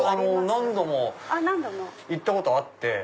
何度も行ったことあって。